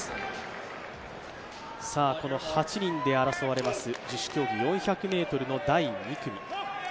８人で争われます十種競技、４００ｍの第２組。